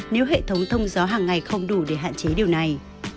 nếu hệ thống thông gió hàng ngày không đủ để hạn chế điều này